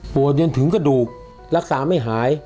ปวดยังถึงกระดูกรักษาไม่หาย